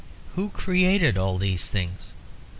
Who created all these things?